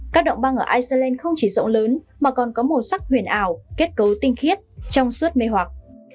các động băng ở iceland không chỉ rộng lớn mà còn có màu sắc huyền ảo kết cấu tinh khiết trong suốt mê hoặc